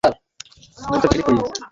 পোকা চলে যাবে।